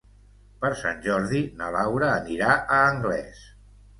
Per Sant Jordi na Laura anirà a Anglès.